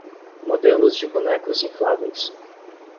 Modelos de bonecos infláveis